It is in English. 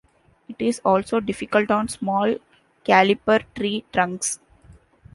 It is also difficult on small caliper tree trunks.